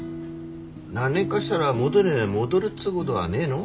何年がしたら元に戻るっつうごどはねえの？